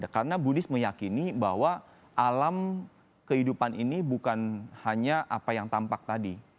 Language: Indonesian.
karena buddhis meyakini bahwa alam kehidupan ini bukan hanya apa yang tampak tadi